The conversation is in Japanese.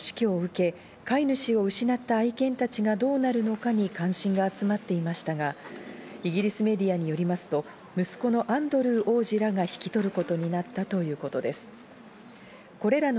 女王の死去を受け、飼い主を失った愛犬たちがどうなるのかに関心が集まっていましたが、イギリスメディアによりますと息子のアンドルー王子らが引き取ることになったということです。